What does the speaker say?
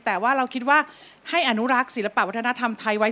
แต่ว่าเราคิดว่าให้อนุรักษ์ศิลปะวัฒนธรรมไทยไว้